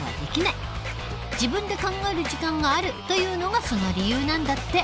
自分で考える時間があるというのがその理由なんだって。